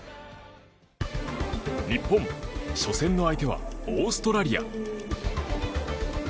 日本、初戦の相手はオーストラリア。